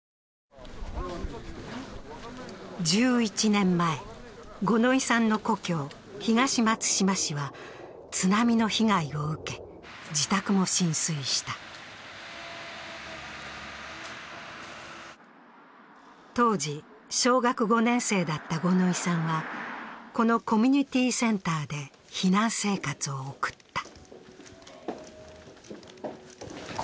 １１年前、五ノ井さんの故郷、東松山市は津波の被害を受け、自宅も浸水した当時小学５年生だった五ノ井さんはこのコミュニティセンターで避難生活を送った。